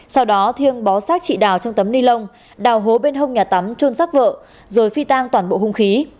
sau đó thiêng bó sát chị đào trong tấm ni lông đào hố bên hông nhà tắm trôn rắc vợ rồi phi tan toàn bộ hung khí